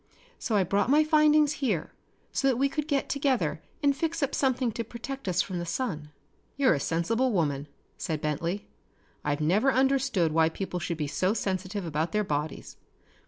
So I brought my findings here so that we could get together and fix up something to protect us from the sun." "You're a sensible woman," said Bentley. "I've never understood why people should be so sensitive about their bodies.